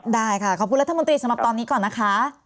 ได้ค่ะขอบคุณรัฐมนตรีสำหรับตอนนี้ก่อนนะคะ